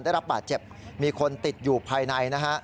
ได้รับบาดเจ็บมีคนติดอยู่ภายในนะฮะ